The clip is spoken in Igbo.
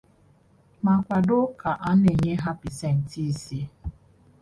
ma kwàdo ka a na-enye ha pasentị ise